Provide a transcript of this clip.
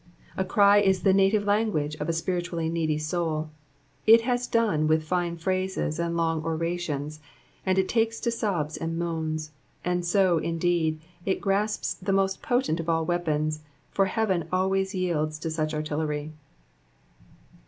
A cry is the native language of a spiritually needy soul ; it has done with fine phrases and long orations, and it takes to sobs and moans ; and so, indeed, it grasps the most potent of all weapons, for heaven always yields to such artillery.